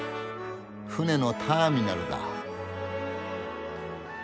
船のターミナルだ。